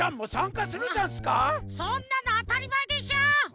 そんなのあたりまえでしょ！